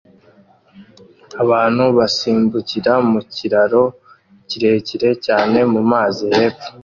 Abantu basimbukira mu kiraro kirekire cyane mumazi hepfo